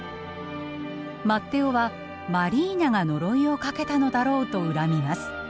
マッテオはマリーナが呪いをかけたのだろうと恨みます。